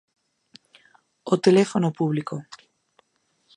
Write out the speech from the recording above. O teléfono público.